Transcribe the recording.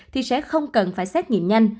thì sẽ không cần phải xét nghiệm nhanh